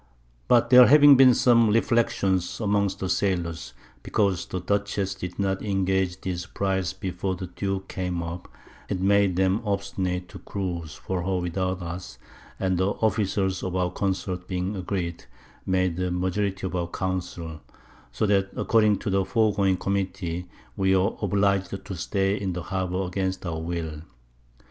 But there having been some Reflections amongst the Sailors because the Dutchess did not engage this Prize before the Duke came up, it made them obstinate to cruize for her without us, and the Officers of our Consorts being agreed, made the Majority of our Council; so that according to the foregoing Committee we were obliged to stay in the Harbour against our Will.